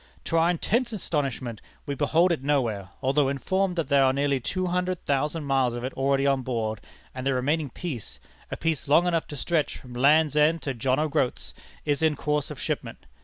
To our intense astonishment, we behold it nowhere, although informed that there are nearly two thousand miles of it already on board, and the remaining piece a piece long enough to stretch from Land's End to John O'Groat's is in course of shipment.